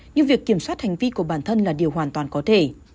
nhưng việc kiểm soát hành vi của bản thân là điều hoàn toàn có thể